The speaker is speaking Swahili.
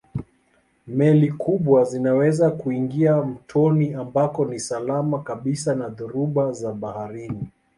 Meli kubwa zinaweza kuingia mtoni ambako ni salama kabisa na dhoruba za baharini.